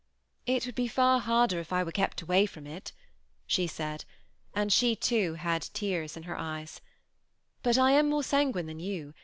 " It would be far harder if I were kept awaj from it," she said ; and she, too, had tears in her ejes ;" but I am more sanguine than jou.